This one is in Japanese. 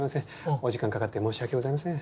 お時間かかって申し訳ございません。